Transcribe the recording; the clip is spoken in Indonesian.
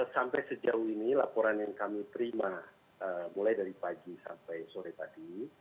sampai sejauh ini laporan yang kami terima mulai dari pagi sampai sore tadi